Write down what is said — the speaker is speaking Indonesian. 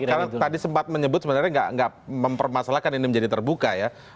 karena tadi sempat menyebut sebenarnya nggak mempermasalahkan ini menjadi terbuka ya